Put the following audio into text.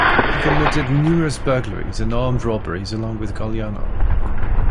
He committed numerous burglaries and armed robberies along with Gagliano.